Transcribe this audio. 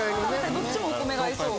どっちもお米が合いそう。